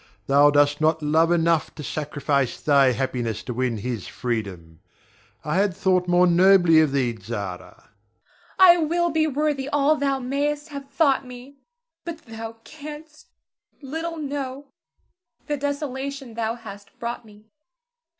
Thou dost not love enough to sacrifice thy happiness to win his freedom. I had thought more nobly of thee, Zara. Zara. I will be worthy all thou mayst have thought me; but thou canst little know the desolation thou hast brought me.